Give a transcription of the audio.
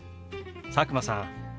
佐久間さん